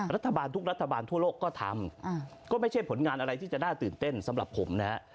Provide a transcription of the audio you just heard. รัฐบาลทุกรัฐบาลทั่วโลกก็ทำก็ไม่ใช่ผลงานอะไรที่จะน่าตื่นเต้นสำหรับผมนะฮะ